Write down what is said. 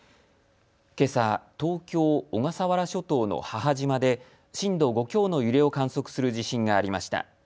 けさ、東京小笠原諸島の母島で震度５強の揺れを観測する地震がありました。